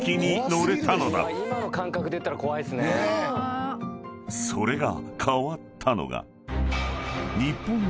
［それが変わったのが］